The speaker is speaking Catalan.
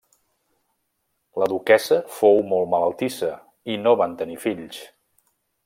La duquessa fou molt malaltissa i no van tenir fills.